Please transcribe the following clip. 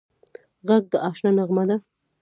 غږ د اشنا نغمه ده